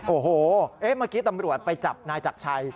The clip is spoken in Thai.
โอ้โหเมื่อกี้ตำรวจไปจับนายจักรชัย